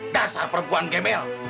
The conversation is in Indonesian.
dasar perempuan gemel